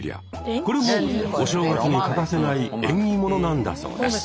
これもお正月に欠かせない縁起物なんだそうです。